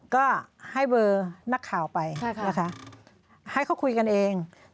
ก็ให้เบอร์นักข่าวไปนะคะให้เขาคุยกันเอง